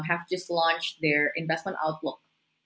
baru saja meluncurkan pemerintah investasi mereka